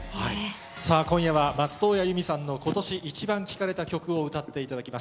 さあ、今夜は松任谷由実さんの今年イチバン聴かれた曲を歌っていただきます。